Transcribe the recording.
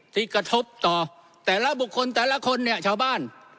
กระทบต่อแต่ละบุคคลแต่ละคนเนี่ยชาวบ้าน